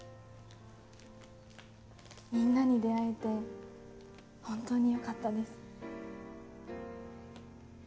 みんなに出会えてホントによかったです。